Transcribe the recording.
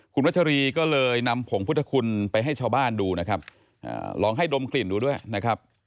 คุณวัชรีก็เลยนำผงพุทธคุณไปให้ชาวบ้านดูนะครับลองให้ดมกลิ่นดูด้วยนะครับ